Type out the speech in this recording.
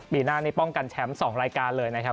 ปีหน้านี้ป้องกันแชมป์๒รายการเลยนะครับ